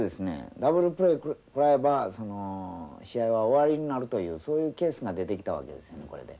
ダブルプレー食らえばその試合は終わりになるというそういうケースが出てきたわけですねこれで。